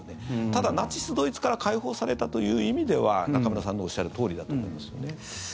ただ、ナチス・ドイツから解放されたという意味では中村さんのおっしゃるとおりだと思いますよね。